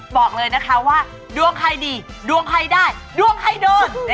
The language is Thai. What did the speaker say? บอกเลยนะคะว่าดวงใครดีดวงใครได้ดวงใครโดน